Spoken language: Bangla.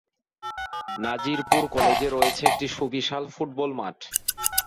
নাজিরপুর কলেজে রয়েছে একটি সুবিশাল ফুটবল মাঠ।